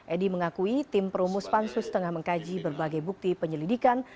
edi mengakui tim perumus pansus tengah mengkaji berbagai bukti penyelidikan